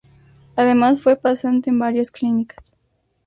Además fue pasante en varias clínicas.